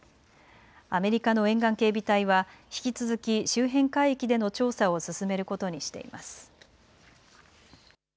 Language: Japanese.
アメリカの沿岸警備隊は引き続き周辺海域での調査を進めることにしています。